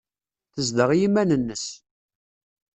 Tezdeɣ i yiman-nnes.